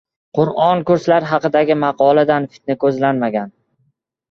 Qur’on kurslari haqidagi maqoladan fitna ko‘zlanmagan